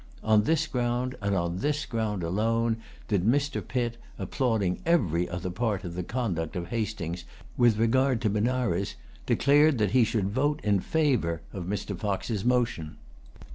On this ground, and on this ground alone, did Mr. Pitt, applauding every other part of the conduct of Hastings with regard to Benares, declare that he should vote in favor of Mr. Fox's motion.